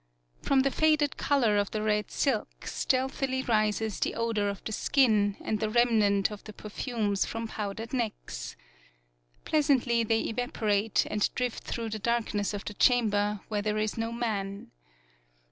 From the faded color of the red silk, stealthily rises the odor of the skin and the remnant of the perfumes from pow dered necks. Pleasantly they evapo rate and drift through the darkness of the chamber where there is no man.